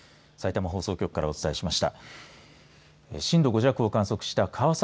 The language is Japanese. さいたま放送局からお伝えしました。